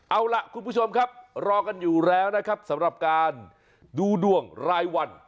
เอาล่ะคุณผู้ชมครับรอกันอยู่แล้วนะครับสำหรับการดูดวงรายวัน